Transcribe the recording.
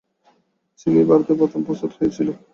চিনি ভারতে প্রথম প্রস্তুত হইয়াছিল।